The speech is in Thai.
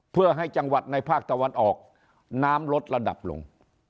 เพื่อให้จังหวัดในภาคตะวันออกน้ำลดระดับลง